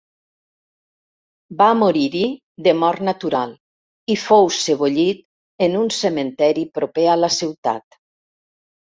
Va morir-hi de mort natural i fou sebollit en un cementiri proper a la ciutat.